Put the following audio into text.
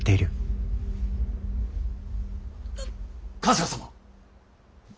春日様？